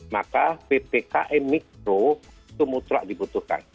maka ppkm mikro itu mutlak dibutuhkan